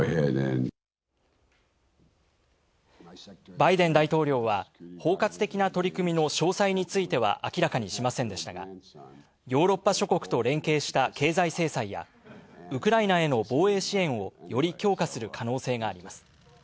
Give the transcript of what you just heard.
バイデン大統領は包括的な取り組みの詳細については明らかにしませんでしたが、ヨーロッパ諸国と連携した経済制裁やウクライナへの防衛支援をより強化する可能性があります。